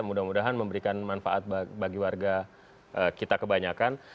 mudah mudahan memberikan manfaat bagi warga kita kebanyakan